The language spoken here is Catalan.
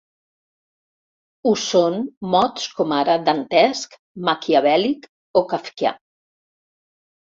Ho són mots com ara dantesc, maquiavèl·lic o kafkià.